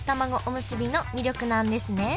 おむすびの魅力なんですね